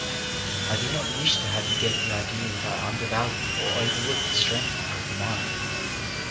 I do not wish to have you get the idea that I under value or overlook the strengthening of the mind.